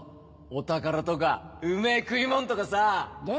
お宝とかうめぇ食いもんとかさ！